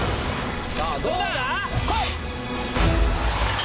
さぁどうだ